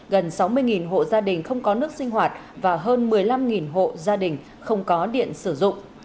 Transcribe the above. gần sáu mươi hộ gia đình không có nước sinh hoạt và hơn một mươi năm hộ gia đình không có điện sử dụng